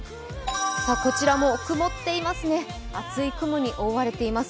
こちらも曇っていますね厚い雲に覆われています。